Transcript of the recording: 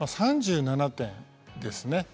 ３７点ですね。